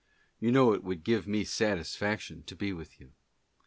You know it would give me satisfaction to be with you.